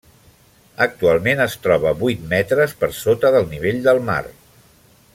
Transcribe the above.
Actualment es troba vuit metres per sota del nivell del mar.